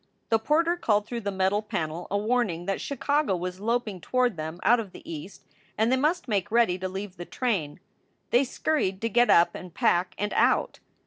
The porter called through the metal panel a warning that Chicago was loping toward them out of the east, and they must make ready to leave the train. They scurried to get up and pack and out.